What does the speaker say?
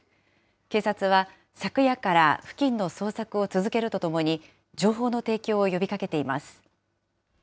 警察は昨夜から付近の捜索を続けるとともに、情報の提供を呼びかけています。